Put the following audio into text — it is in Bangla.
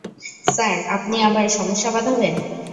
স্যার, আপনি আবার সমস্যা বাঁধাবেন!